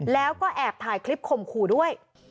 แล้วก็แอบถ่ายคลิปข่มขู่ด้วย